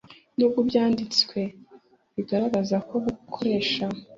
N ubwo Ibyanditswe bigaragaza ko gukoresha